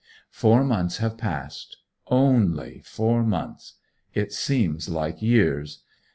Four months have passed; only four months! It seems like years.